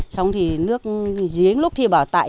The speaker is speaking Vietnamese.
xong thì nước giếng lúc thì bảo tại